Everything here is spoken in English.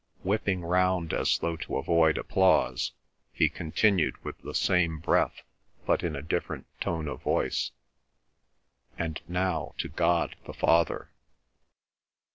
Whipping round as though to avoid applause, he continued with the same breath, but in a different tone of voice,—"And now to God the Father